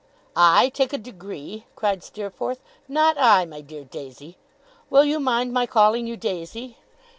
'I take a degree!' cried Steerforth. 'Not I! my dear Daisy will you mind my calling you Daisy?